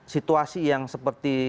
situasi yang seperti